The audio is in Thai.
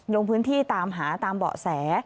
ลงพื้นที่ตามหาตามเบาะแส